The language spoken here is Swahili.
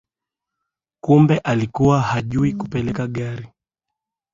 Kumbe alikuwa hajui kupeleka gari